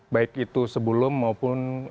baik itu sebelum maupun